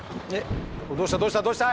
どうしたどうしたどうした？